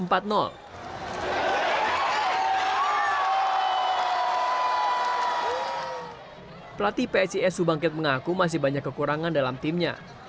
pelatih psis subangkit mengaku masih banyak kekurangan dalam timnya